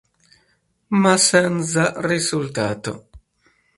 Ma senza risultato.